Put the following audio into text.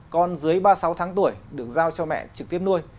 con dưới ba mươi sáu tháng tuổi được giao cho mẹ trực tiếp nuôi